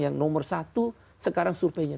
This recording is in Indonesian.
yang nomor satu sekarang surveinya